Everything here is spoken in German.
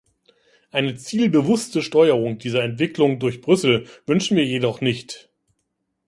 Eine zielbewusste Steuerung dieser Entwicklung durch Brüssel wünschen wir jedoch nicht.